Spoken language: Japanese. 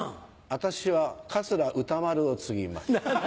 私は桂歌丸を継ぎます。